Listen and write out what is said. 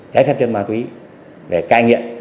trái phép chân ma túy để cai nghiện